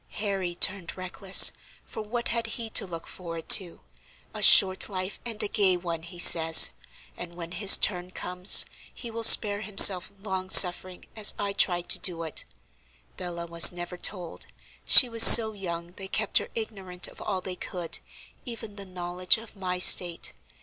Harry turned reckless; for what had he to look forward to? A short life, and a gay one, he says, and when his turn comes he will spare himself long suffering, as I tried to do it. Bella was never told; she was so young they kept her ignorant of all they could, even the knowledge of my state.